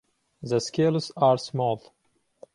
The scales are small.